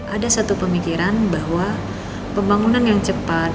ada satu pemikiran bahwa pembangunan yang cepat